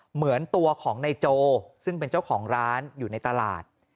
เหมือนตัวของนายโจซึ่งเป็นเจ้าของร้านอยู่ในตลาด